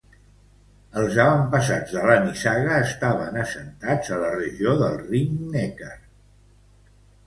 Els avantpassats de la nissaga estaven assentats a la regió del Rin-Neckar.